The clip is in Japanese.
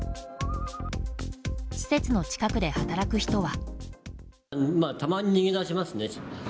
施設の近くで働く人は。